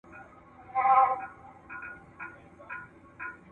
کيدای سي سبا رخصتي وي.